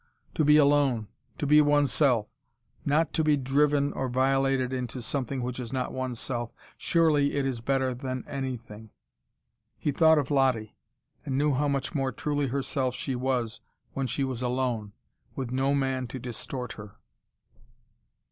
To be alone, to be oneself, not to be driven or violated into something which is not oneself, surely it is better than anything. He thought of Lottie, and knew how much more truly herself she was when she was alone, with no man to distort her.